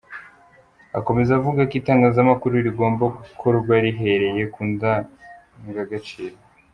Akomeza avuga ko itangazamakuru rigomba gukorwa rihereye ku ndangagaciro.